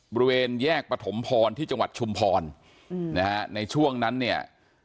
บริเวณแยกปฐมพรที่จังหวัดชุมพรนะฮะในช่วงนั้นเนี่ย